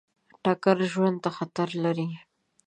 ټکر ژوند ته خطر لري.